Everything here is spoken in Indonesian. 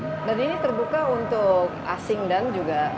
jadi ini terbuka untuk asing dan juga